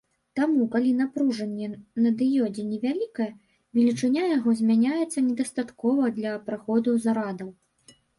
Таму, калі напружанне на дыёдзе невялікае, велічыня яго змяняецца недастаткова для праходу зарадаў.